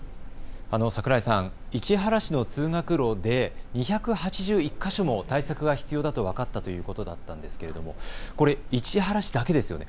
櫻井さん、市原市の通学路で２８１か所も対策が必要だと分かったということだったんですがこれ、市原市だけですよね。